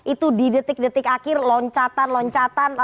itu di detik detik akhir loncatan loncatan